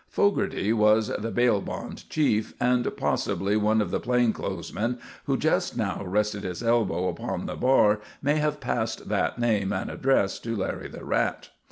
Fogarty was the bail bond chief, and possibly one of the plain clothes men who just now rested his elbow upon the bar may have passed that name and address to Larry the Rat.